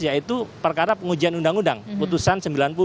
yaitu perkara pengujian undang undang putusan sembilan puluh